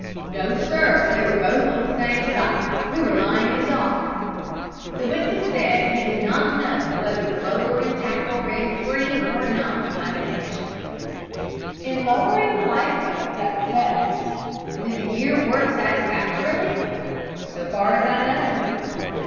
"No, sir. They were both on the same side. We were lying in dock." The witness said he did not know whether the lowering tackle ran free or not on that occasion. "In lowering the life boats at the test, did the gear work satisfactorily?" "So far as I know."